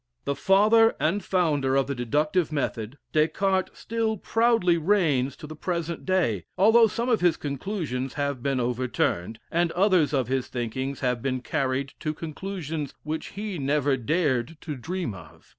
The father and founder of the deductive method, Des Cartes still proudly reigns to the present day, although some of his conclusions have been over turned, and others of his thinkings have been carried to conclusions which he never dared to dream of.